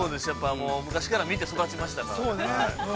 ◆昔から見て育ちましたからね。